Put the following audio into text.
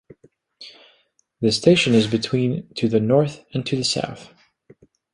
The station is between to the north and to the south.